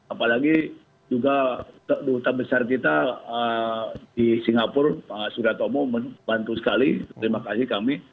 apalagi juga duta besar kita di singapura pak suryatomo membantu sekali terima kasih kami